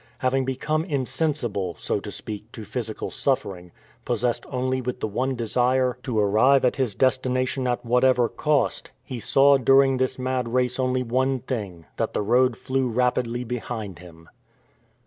Having become insensible, so to speak, to physical suffering, possessed only with the one desire to arrive at his destination at whatever cost, he saw during this mad race only one thing that the road flew rapidly behind him.